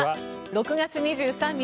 ６月２３日